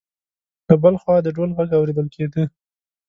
له بل خوا د ډول غږ اورېدل کېده.